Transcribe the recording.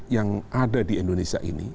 yang ada di indonesia ini